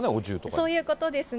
そういうことですね。